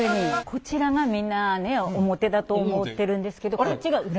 こちらがみんなね表だと思ってるんですけど裏。